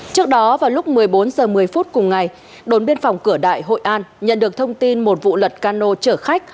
trước đó vào lúc một mươi bốn h một mươi phút cùng ngày đồn biên phòng cửa đại hội an nhận được thông tin một vụ lật cano chở khách